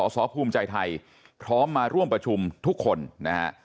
สภูมิใจไทยพร้อมมาร่วมประชุมทุกคนนะฮะ